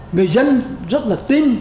người dân rất là tin